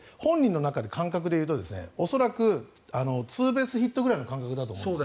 本人の感覚でいうとツーベースヒットぐらいの感覚だと思うんです。